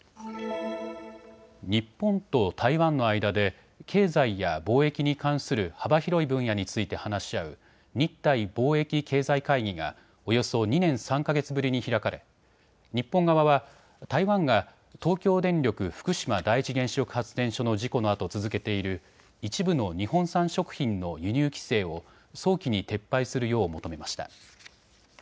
日本と台湾の間で経済や貿易に関する幅広い分野について話し合う日台貿易経済会議がおよそ２年３か月ぶりに開かれ日本側は台湾が東京電力福島第一原子力発電所の事故のあと続けている一部の日本産食品の輸入規制を早期に撤廃するよう求めました。